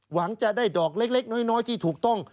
หวังจะได้ดอกเล็กน้อยที่ถูกต้อง